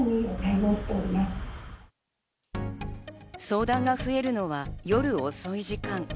相談が増えるのは夜遅い時間。